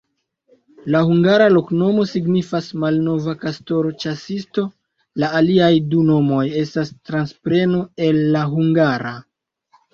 La hungara loknomo signifas: malnova-kastoro-ĉasisto, la aliaj du nomoj estas transpreno el la hungara.